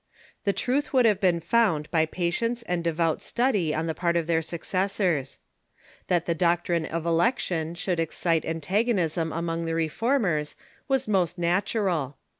The truth wottld have been found by patience and devout study on the part of their successors. That the doc trine of election should excite antagonism among the Reform ers was most natural.